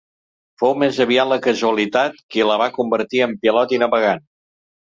Fou més aviat la casualitat qui la va convertir en pilot i navegant.